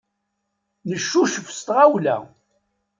Neccucef s tɣawla.